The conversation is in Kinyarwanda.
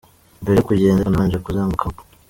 Mbere yo kugenda ariko, nabanje kuzenguruka mu rugo.